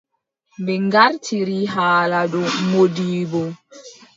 Ɓe ngartiri haala dow moodibbo.